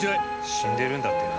死んでるんだってよ。